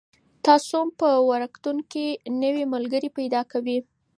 ماسوم په وړکتون کې نوي ملګري پیدا کوي.